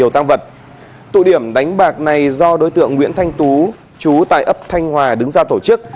tụ điểm đánh bạc này do đối tượng nguyễn thanh tú chú tại ấp thanh hòa đứng ra tổ chức